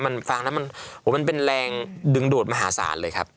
มันเป็นแรงดึงดูดมหาศาลเลยครั้บ